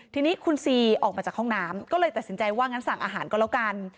ทีนี้คุณซีออกมาจากห้องน้ำก็เลยตัดสินใจว่างั้นสั่งอาหารก็แล้วกัน